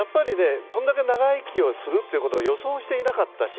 これだけ長生きをすると予想していなかったし。